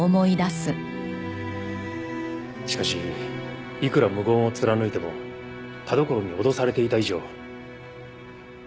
しかしいくら無言を貫いても田所に脅されていた以上彼女は重要参考人です。